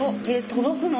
届くの？